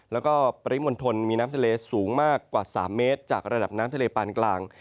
แล้วก็ปริมณฑลมีน้ำทะเลสูงมากกว่า๓เมตรจากระดับน้ำทะเลปานกลาง